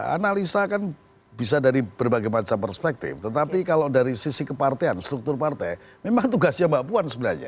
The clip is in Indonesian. analisa kan bisa dari berbagai macam perspektif tetapi kalau dari sisi kepartean struktur partai memang tugasnya mbak puan sebenarnya